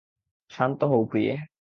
শান্ত হও, প্রিয়ে।